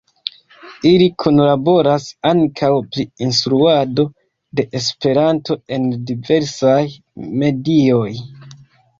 Ili kunlaboras ankaŭ pri instruado de Esperanto en diversaj medioj.